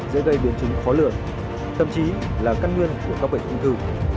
dễ gây biện trình khó lượng thậm chí là căn nguyên của các bệnh thương thư